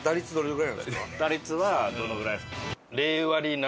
打率はどのぐらいですか？